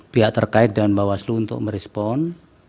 pihak terkait dan mbah waslu untuk merespon